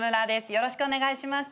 よろしくお願いします。